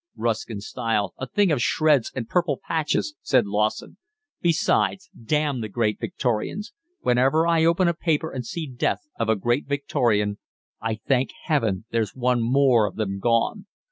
"Ruskin's style—a thing of shreds and purple patches," said Lawson. "Besides, damn the Great Victorians. Whenever I open a paper and see Death of a Great Victorian, I thank Heaven there's one more of them gone.